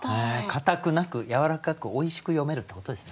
かたくなくやわらかくおいしく詠めるってことですね。